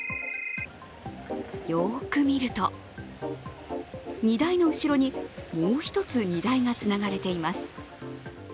よく見ると荷台の後ろにもう一つ、荷台がつながれています。